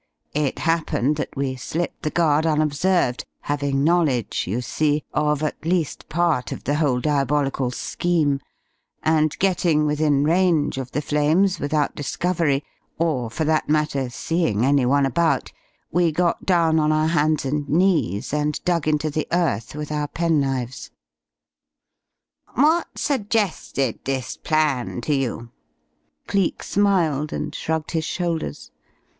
It happened that we slipped the guard unobserved, having knowledge, you see, of at least part of the whole diabolical scheme, and getting within range of the flames without discovery, or, for that matter, seeing any one about, we got down on our hands and knees and dug into the earth with our penknives." "What suggested this plan to you?" Cleek smiled and shrugged his shoulders.